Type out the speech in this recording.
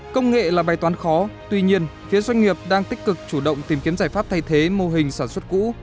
công nghệ là bài toán khó tuy nhiên phía doanh nghiệp đang tích cực chủ động tìm kiếm giải pháp thay thế mô hình sản xuất cũ